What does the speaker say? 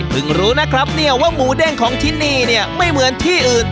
รู้นะครับเนี่ยว่าหมูเด้งของที่นี่เนี่ยไม่เหมือนที่อื่น